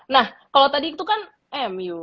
nah kalau tadi itu kan mu